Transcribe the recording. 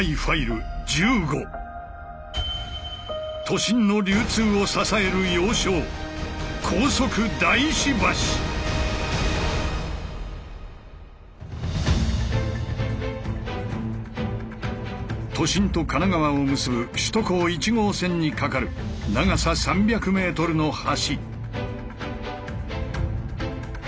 都心の流通を支える要衝都心と神奈川を結ぶ首都高１号線に架かる長さ３００ｍの橋。